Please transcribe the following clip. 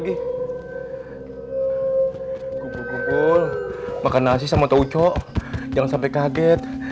gak mau nyaut lagi